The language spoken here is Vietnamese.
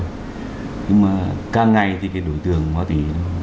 nhưng mà càng ngày thì đối tượng ma túy